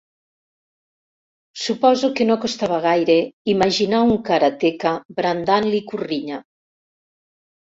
Suposo que no costava gaire imaginar un karateka brandant l'ikurriña.